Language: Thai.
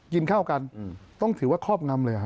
กินข้าวกันต้องถือว่าครอบงำเลย